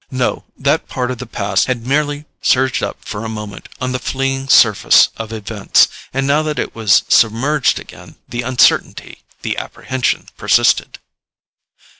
No—that part of the past had merely surged up for a moment on the fleeing surface of events; and now that it was submerged again, the uncertainty, the apprehension persisted.